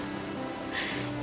gue juga gak suka sama niu